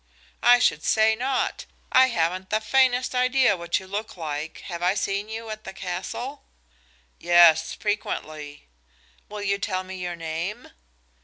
"I should say not. I haven't the faintest idea what you look like. Have I seen you at the castle?" "Yes, frequently." "Will you tell me your name?"